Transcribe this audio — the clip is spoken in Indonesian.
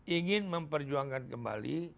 ingin memperjuangkan kembali